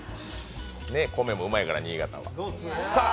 米もうまいから、新潟は。